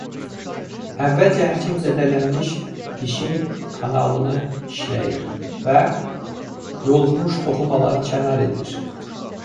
Əvvəlcə həkim zədələnmiş dişin kanalını işləyir və yoluxmuş toxumaları kənar edir.